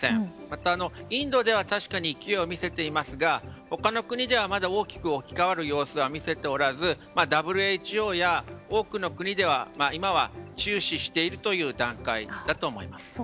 また、インドでは確かに勢いを見せていますが他の国ではまだ大きく置き換わる様子は見せておらずＷＨＯや多くの国では今は注視しているという段階だと思います。